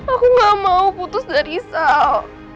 aku gak mau putus dari sal